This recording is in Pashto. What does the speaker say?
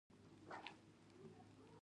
ډېر وخت وروسته د خلکو کورونه او کلي ښکاره شول